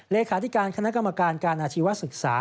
เลขาธิการคณะกรรมการการอาชีวศึกษา